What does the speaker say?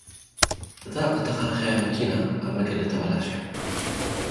እታ እተኸራናያ ማኪና ኣብ መገዲ ተባላሽያ።